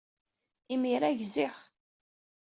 Imir-a, gziɣ.